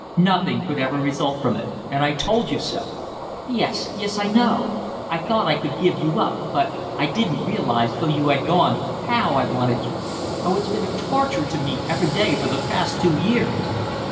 Nothing could ever result from it, and I told you so." "Yes, yes I know. I thought I could give you up, but I didn't realize till you had gone how I wanted you. Oh, it's been a TORTURE to me every day for the past two years."